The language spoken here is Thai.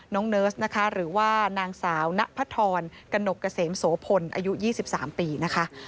เนิร์สนะคะหรือว่านางสาวณพธรกนกเกษมโสพลอายุ๒๓ปีนะคะ